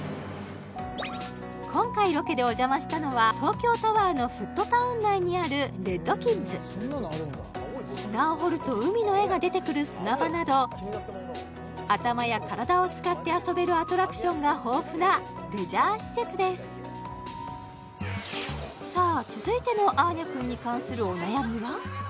今回ロケでお邪魔したのは東京タワーのフットタウン内にあるＲＥＤ°ＫＩＤＳ砂を掘ると海の絵が出てくる砂場など頭や体を使って遊べるアトラクションが豊富なレジャー施設ですさあ